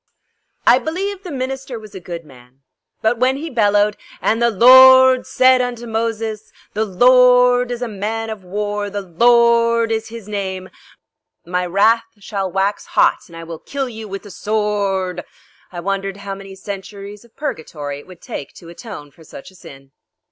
I believe the minister was a good man, but when he bellowed: "And the Lorrrrd said unto Moses, the Lorrrd is a man of war; the Lorrrd is his name. My wrath shall wax hot and I will kill you with the sworrrrd!" I wondered how many centuries of purgatory it would take to atone for such a sin.